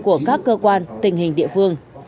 của các cơ quan tình hình địa phương